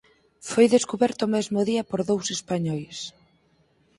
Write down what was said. Foi descuberto o mesmo día por dous españois.